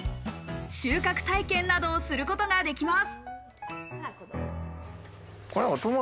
収穫体験などをすることができます。